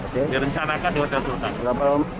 direncanakan di hotel sultan